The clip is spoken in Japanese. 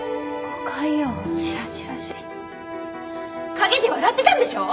陰で笑ってたんでしょう？